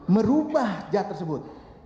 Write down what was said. merubah jad tersebut